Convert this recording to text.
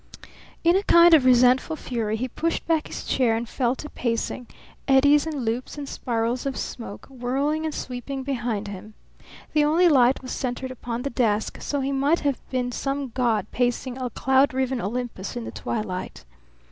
In a kind of resentful fury he pushed back his chair and fell to pacing, eddies and loops and spirals of smoke whirling and sweeping behind him. The only light was centred upon the desk, so he might have been some god pacing cloud riven Olympus in the twilight.